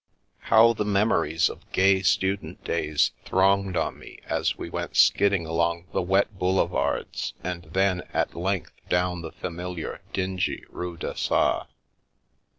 ,, How the memories of gay, student days thronged on me as we went skidding along the wet boulevards, and then, at length, down the familiar, dingy Rue d'Assas!